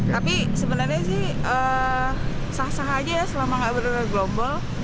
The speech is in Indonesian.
tapi sebenarnya sih sah sah aja ya selama nggak bergelombol